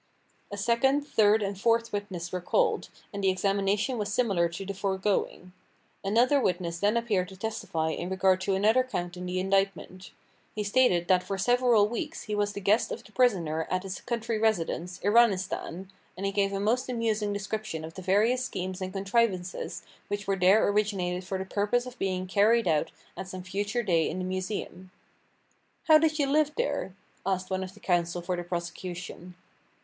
A second, third and fourth witness were called, and the examination was similar to the foregoing. Another witness then appeared to testify in regard to another count in the indictment. He stated that for several weeks he was the guest of the prisoner at his country residence, Iranistan, and he gave a most amusing description of the various schemes and contrivances which were there originated for the purpose of being carried out at some future day in the Museum. "How did you live there?" asked one of the counsel for the prosecution.